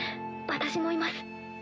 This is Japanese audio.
私もいます。